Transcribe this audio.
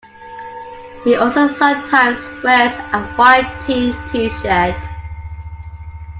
He also sometimes wears a white team T-shirt.